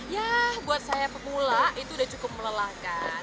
ya buat saya pemula itu udah cukup melelahkan